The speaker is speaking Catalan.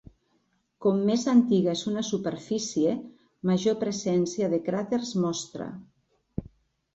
Com més antiga és una superfície, major presència de cràters mostra.